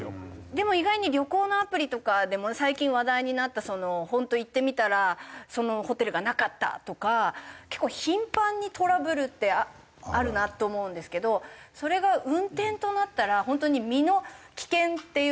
でも意外に旅行のアプリとかでも最近話題になった本当行ってみたらそのホテルがなかったとか結構頻繁にトラブルってあるなと思うんですけどそれが運転となったら本当に身の危険っていう。